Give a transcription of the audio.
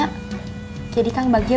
kalo gitu dede ke kamar dulu ya ma